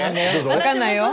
分かんないよ。